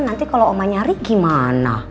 nanti kalau oma nyari gimana